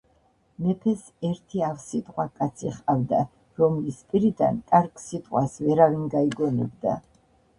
მეფეს ერთი ავსიტყვა კაცი ჰყავდა რომლის პირიდან კარგი სიტყვას ვერავინ გაიგონებდა.